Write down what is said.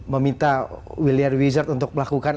meminta wilhardi wizard untuk melakukan